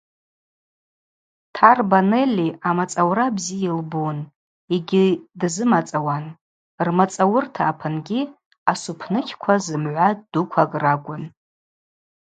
Тарба Нелли амацӏаура бзи йылбун йгьи дзымацӏауан, рмацӏауырта апынгьи асупныкьква зымгӏва дуквакӏ ракӏвын.